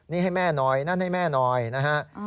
นี่ให้แม่หน่อยนั่นให้แม่หน่อยนะฮะ